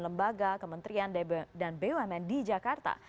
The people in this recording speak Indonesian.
lembaga kementerian dan bumn di jakarta